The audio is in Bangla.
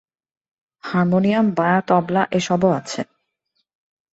হারমোনিয়াম, বায়া তবলা এসবও আছে।